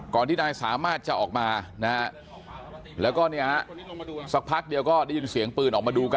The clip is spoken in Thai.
ที่นายสามารถจะออกมานะฮะแล้วก็เนี่ยสักพักเดียวก็ได้ยินเสียงปืนออกมาดูกัน